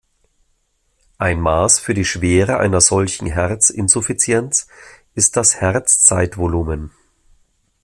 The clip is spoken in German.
Ein Maß für die Schwere einer solchen Herzinsuffizienz ist das Herzzeitvolumen.